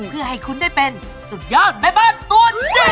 เพื่อให้คุณได้เป็นสุดยอดแม่บ้านตัวจริง